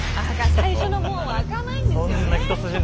最初の門は開かないんですよね。